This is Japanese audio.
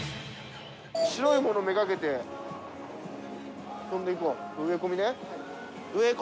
白いもの目がけて飛んでいこう。